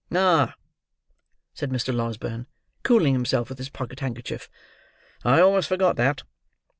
"Ah!" said Mr. Losberne, cooling himself with his pocket handkerchief; "I almost forgot that."